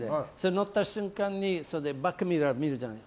乗った瞬間にバックミラー見るじゃん。